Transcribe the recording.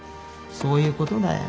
そういうことだよ。